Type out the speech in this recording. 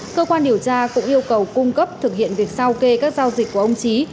cơ quan điều tra cũng yêu cầu cung cấp thực hiện việc sao kê các giao dịch của ông trí